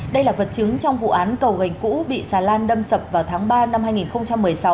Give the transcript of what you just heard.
đây là vật chứng trong vụ án cầu gành cũ bị xà lan đâm sập vào tháng ba năm hai nghìn một mươi sáu